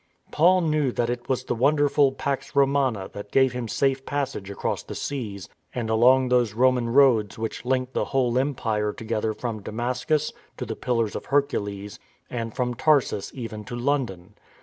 Paul knew that it was the wonderful Pax Romana that gave him safe passage across the seas and along those Roman roads which linked the whole Empire together from Damascus to the Pillars of Hercules and from Tarsus even to London.